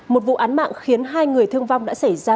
một vụ án mạng khiến hai người thương vong đã xảy ra